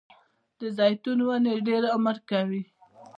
د زیتون ونې ډیر عمر کوي